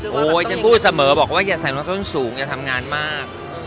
โห้ยฉันพูดเสมออย่าใส่ซ่อนสูงอย่าทำงานมาก